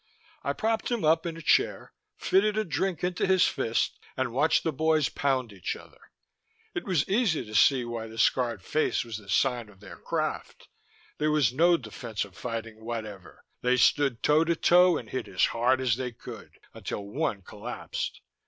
I propped him up in a chair, fitted a drink into his fist, and watched the boys pound each other. It was easy to see why the scarred face was the sign of their craft; there was no defensive fighting whatever. They stood toe to toe and hit as hard as they could, until one collapsed.